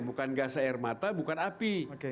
bukan gas air mata bukan api